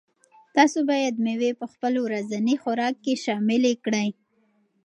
تاسو باید مېوې په خپل ورځني خوراک کې شاملې کړئ.